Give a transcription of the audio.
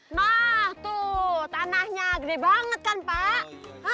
nah tuh tanahnya gede banget kan pak